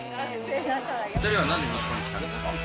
２人はなんで日本に来たんですか。